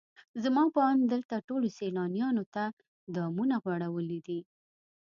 زما په اند دلته ټولو سیلانیانو ته دامونه غوړولي دي.